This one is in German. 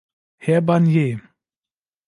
Herr Barnier!